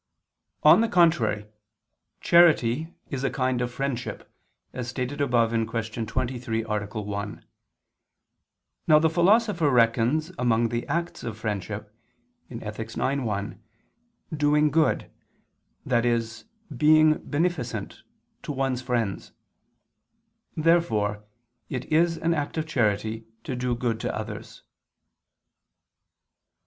On the contrary, Charity is a kind of friendship, as stated above (Q. 23, A. 1). Now the Philosopher reckons among the acts of friendship (Ethic. ix, 1) "doing good," i.e. being beneficent, "to one's friends." Therefore it is an act of charity to do good to others.